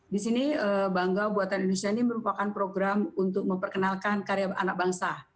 di sini bangga buatan indonesia ini merupakan program untuk memperkenalkan karya anak bangsa